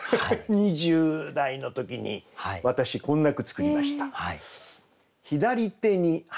２０代の時に私こんな句作りました。